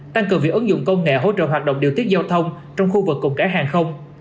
tăng cường việc ứng dụng công nghệ hỗ trợ hoạt động điều tiết giao thông trong khu vực cùng cả hàng không